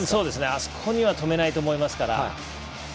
あそこには止めないと思いますから。